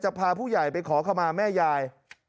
พาผู้ใหญ่ไปขอขมาแม่ยาย